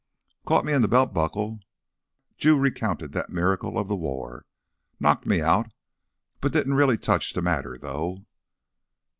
"Caught me in the belt buckle," Drew recounted that miracle of the war. "Knocked me out; didn't really touch to matter, though."